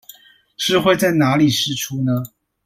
是會在哪裡釋出呢?